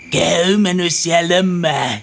kau manusia lemah